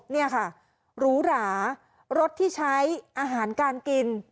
นี่ค่ะหรูหรารสที่ใช้อาหารการกิน